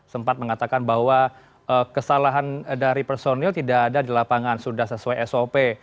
sempat mengatakan bahwa kesalahan dari personil tidak ada di lapangan sudah sesuai sop